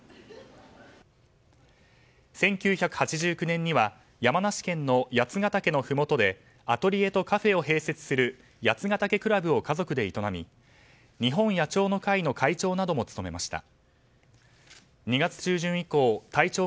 １９８９年には山梨県の八ケ岳のふもとでアトリエとカフェを併設する八ヶ岳倶楽部を家族で営み日本野鳥の会の会長なども務めました。